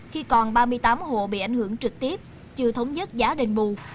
khi còn ba mươi tám hộ bị ảnh hưởng trực tiếp chưa thống nhất giá đền bù